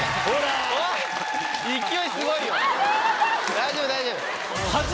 大丈夫大丈夫。